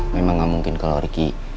memang nggak mungkin kalau ricky